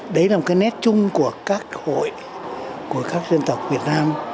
đấy là một cái nét chung của các hội của các dân tộc việt nam